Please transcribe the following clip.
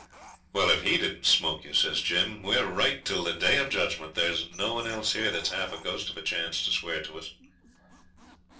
'Well, if HE didn't smoke you,' says Jim, 'we're right till the Day of Judgment. There's no one else here that's half a ghost of a chance to swear to us.'